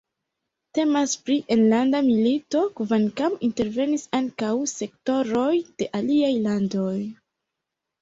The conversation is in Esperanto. Temas pri enlanda milito, kvankam intervenis ankaŭ sektoroj de aliaj landoj.